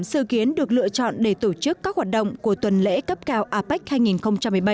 sự kiến được lựa chọn để tổ chức các hoạt động của tuần lễ cấp cao apec hai nghìn một mươi bảy